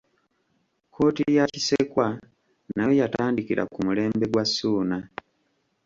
Kkooti ya Kisekwa nayo yatandikira ku mulembe gwa Ssuuna.